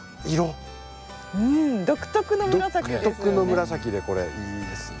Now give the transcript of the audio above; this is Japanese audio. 独特の紫ですよね。